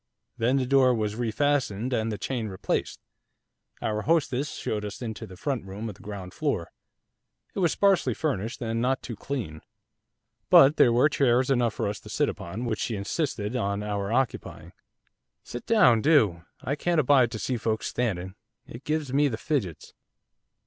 Then the door was refastened and the chain replaced. Our hostess showed us into the front room on the ground floor; it was sparsely furnished and not too clean, but there were chairs enough for us to sit upon; which she insisted on our occupying. 'Sit down, do, I can't abide to see folks standing; it gives me the fidgets.